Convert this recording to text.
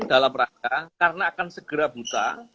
dalam rangka karena akan segera buta